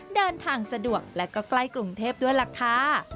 เดินทางสะดวกและก็ใกล้กรุงเทพด้วยล่ะค่ะ